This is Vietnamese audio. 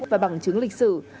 và bằng chứng lịch sử